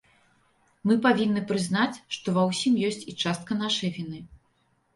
Мы павінны прызнаць, што ва ўсім ёсць і частка нашай віны.